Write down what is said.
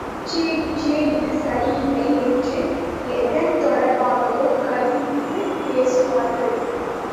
ச்சே ச்சே இது சரியில்லை என்று எதன் தொடர்பாகவோ கடிந்து பேசுவார்கள்.